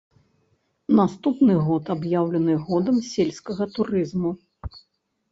Наступны год аб'яўлены годам сельскага турызму.